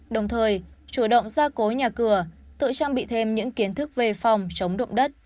đồng thời chủ động ra cố nhà cửa tự trang bị thêm những kiến thức về phòng chống động đất